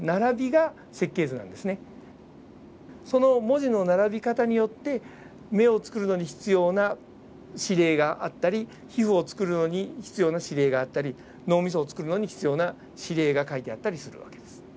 その文字の並び方によって目を作るのに必要な指令があったり皮膚を作るのに必要な指令があったり脳みそを作るのに必要な指令が描いてあったりする訳です。